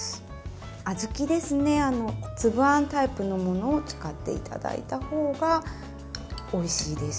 小豆ですね粒あんタイプのものを使っていただいた方がおいしいです。